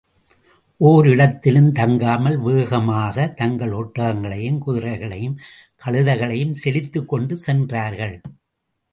ஓரிடத்திலும் தங்காமல், வேகமாகத் தங்கள் ஒட்டகங்களையும், குதிரைகளையும், கழுதைகளையும் செலுத்திக்கொண்டு சென்றார்கள்.